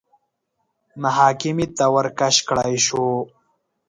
محاکمې ته ورکش کړای شو